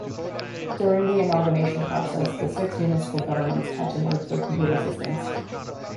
During the amalgamation process, the six municipal governments had to merge their computer systems.